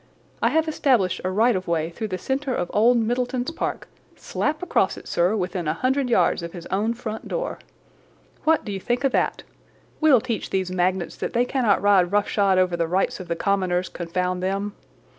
I have established a right of way through the centre of old Middleton's park, slap across it, sir, within a hundred yards of his own front door. What do you think of that? We'll teach these magnates that they cannot ride roughshod over the rights of the commoners, confound them!